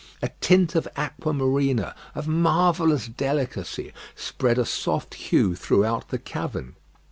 A tint of aqua marina of marvellous delicacy spread a soft hue throughout the cavern.